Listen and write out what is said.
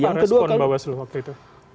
apa respon bawaslu waktu itu